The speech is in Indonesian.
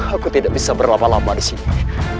aku tidak bisa berlama lama disini